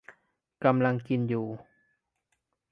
กำลังกินอยู่